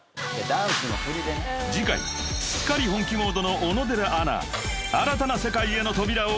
［次回すっかり本気モードの小野寺アナ］